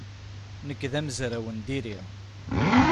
Nekk d amezraw n diri.